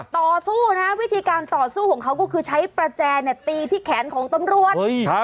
ต่อสู้นะวิธีการต่อสู้ของเขาก็คือใช้ประแจตีที่แขนของตำรวจ